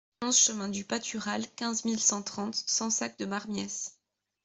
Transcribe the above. onze chemin du Patural, quinze mille cent trente Sansac-de-Marmiesse